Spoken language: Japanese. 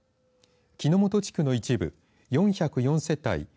木之本地区の一部４０４世帯１００１